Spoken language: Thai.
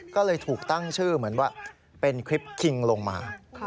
ก็เลยถูกตั้งชื่อเหมือนว่าเป็นคลิปคิงลงมา